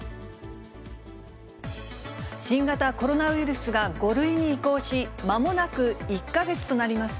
新型コロナウイルスが５類に移行し、まもなく１か月となります。